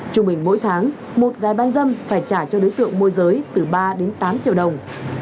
trung bình mỗi tháng một gái bán dâm phải trả cho đối tượng môi giới từ ba đến tám triệu đồng